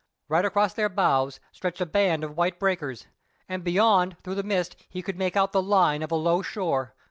Right across their bows stretched a band of white breakers, and beyond through the mist he could make out the line of a low shore.